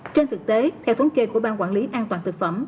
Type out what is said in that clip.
trên thực tế theo thống kê của ban quản lý an toàn thực phẩm